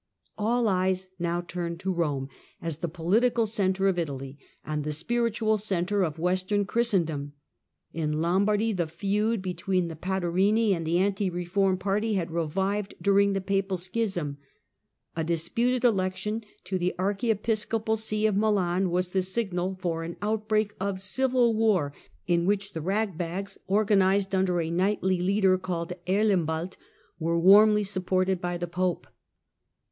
All eyes now turned to Rome as the political centre of Italy and the spiritual centre of Western Christendom. In Lombardy the feud between the Patarini and the anti reform party had revived during the papal schism. A disputed election to the archiepiscopal see of Milan was the signal for an outbreak of civil war, in which the " rag bags," organized under a knightly leader called Erlembald, were warmly supported by the Pope.